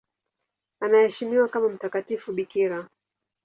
Anaheshimiwa kama mtakatifu bikira.